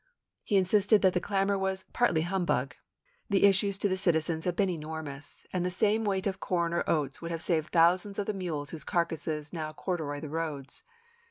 He insisted that the clamor was " partly humbug ";" the issues to citizens have been enormous, and the same weight of corn or oats would have saved thousands of the mules whose carcasses now corduroy the roads."